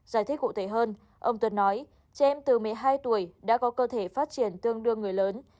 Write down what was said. giải thích cụ thể hơn ông tuấn nói trẻ em từ một mươi hai tuổi đã có cơ thể phát triển tương đương người lớn